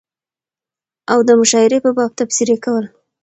او دمشاعرې په باب تبصرې کول